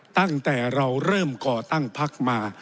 ตั้งแต่เราเริ่มก่อตั้งพักมา